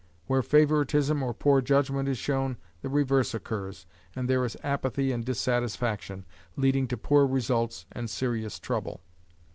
Where favoritism or poor judgment is shown, the reverse occurs, and there is apathy and dissatisfaction, leading to poor results and serious trouble.